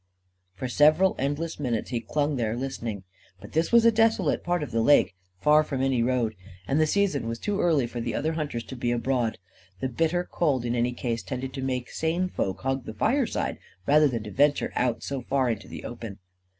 For several endless minutes he clung there, listening. But this was a desolate part of the lake, far from any road; and the season was too early for other hunters to be abroad. The bitter cold, in any case, tended to make sane folk hug the fireside rather than to venture so far into the open.